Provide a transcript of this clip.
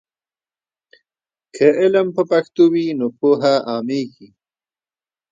که علم په پښتو وي نو پوهه عامېږي.